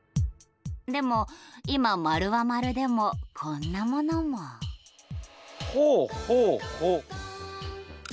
でも今丸は丸でもこんなものもほうほうほう。